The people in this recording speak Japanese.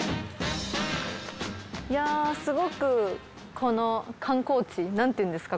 いやすごくこの観光地なんていうんですか？